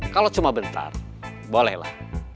kalau cuma bentar bolehlah